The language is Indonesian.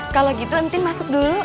kalau gitu nanti masuk dulu